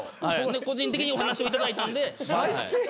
個人的にお話を頂いたんで。